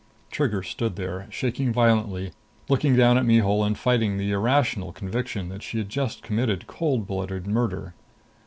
Trigger stood there, shaking violently, looking down at Mihul and fighting the irrational conviction that she had just committed cold blooded murder.